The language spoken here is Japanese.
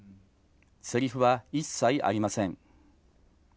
せりふは一切ありません。